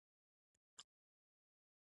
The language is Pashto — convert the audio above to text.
د کارګرو حقونو مسایل پکې شامل وو.